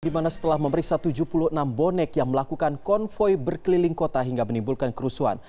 di mana setelah memeriksa tujuh puluh enam bonek yang melakukan konvoy berkeliling kota hingga menimbulkan kerusuhan